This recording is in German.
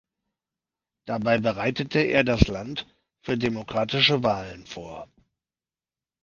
Dabei bereitete er das Land für demokratische Wahlen vor.